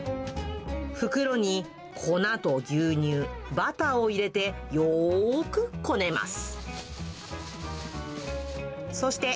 袋に粉と牛乳、バターを入れて、よーくこねます。